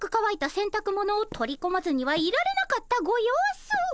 せんたくものを取り込まずにはいられなかったご様子。